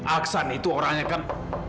aksan itu orangnya kan